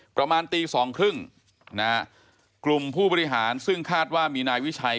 ประมาณตีสองครึ่งนะฮะกลุ่มผู้บริหารซึ่งคาดว่ามีนายวิชัย